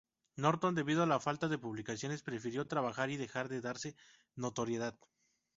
Norton debido a la falta de publicaciones, prefirió trabajar y dejar de darse notoriedad.